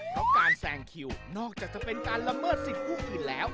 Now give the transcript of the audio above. เพราะการแซงคิวนอกจากจะเป็นการละเมิดสิทธิ์ผู้อื่นแล้ว